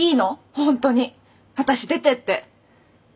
本当に私出てって。